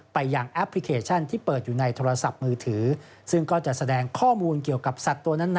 อย่างแอปพลิเคชันที่เปิดอยู่ในโทรศัพท์มือถือซึ่งก็จะแสดงข้อมูลเกี่ยวกับสัตว์ตัวนั้น